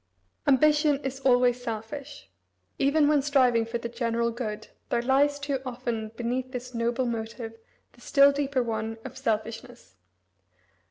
Ambition is always selfish. Even when striving for the general good there lies, too often, beneath this noble motive the still deeper one of selfishness.